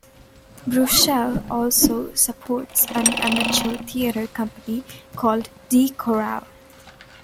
Bruchsal also supports an amateur theater company called Die Koralle.